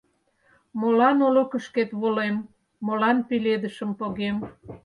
Молан олыкышкет волем, молан пеледышым погем?